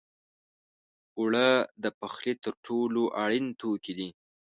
اوړه د پخلي تر ټولو اړین توکي دي